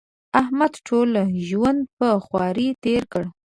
احمد ټول ژوند په خواري تېر کړ.